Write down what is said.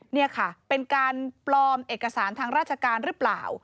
นี่ค่ะเป็นการปลอมเอกสารทางราชการหรือเปล่า